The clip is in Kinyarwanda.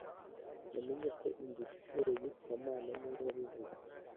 Namenye ko inzira igoye kamana niwe wabivuze